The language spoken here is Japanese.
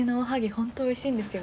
本当おいしいんですよ。